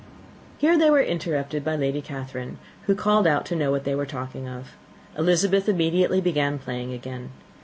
Here they were interrupted by Lady Catherine, who called out to know what they were talking of. Elizabeth immediately began playing again.